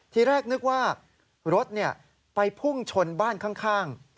ทีแรกนึกว่ารถไปพุ่งชนบ้านข้าง